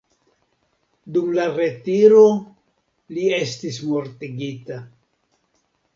Dum la retiro, li estis mortigita.